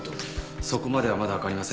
そこまではまだわかりません。